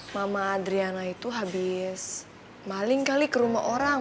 mama adriana itu habis maling kali ke rumah orang